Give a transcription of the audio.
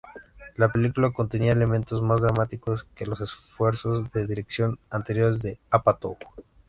La película contenía elementos más dramáticos que los esfuerzos de dirección anteriores de Apatow.